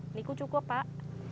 ini aku cukup pak